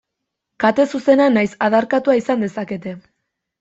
Kate zuzena nahiz adarkatua izan dezakete.